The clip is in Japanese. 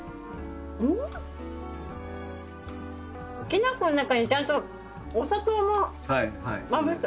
きな粉の中にちゃんとお砂糖もまぶして。